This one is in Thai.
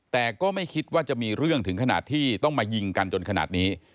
แต่ก็ไม่คิดว่าจะมีเรื่องถึงขนาดที่ต้องมายิงกันจนขนาดนี้